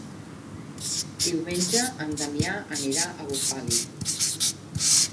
Diumenge en Damià anirà a Bufali.